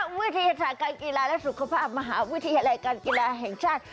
วิทยาศาสตร์การกีฬาและสุขภาพมหาวิทยาลัยการกีฬาแห่งชาติ